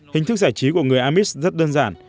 hình thức giải trí của người amis rất đơn giản